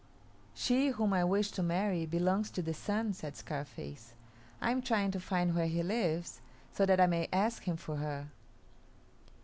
"She whom I wish to marry belongs to the Sun," said Scarface; "I am trying to find where he lives, so that I may ask him for her."